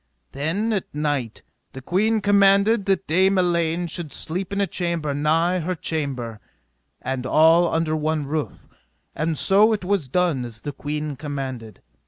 Then, at night, the queen commanded that Dame Elaine should sleep in a chamber nigh her chamber, and all under one roof; and so it was done as the queen commanded.